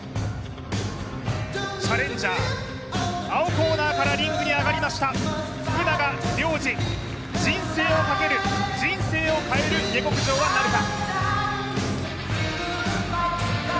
チャレンジャー、青コーナーからリングに上がりました、福永亮次、人生をかける、人生を変える下克上はなるか。